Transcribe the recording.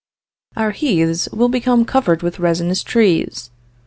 "Our heaths will become covered with resinous trees.